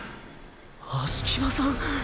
葦木場さん